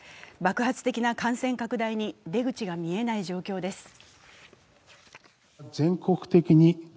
爆発的な感染拡大に出口が見えない状況です。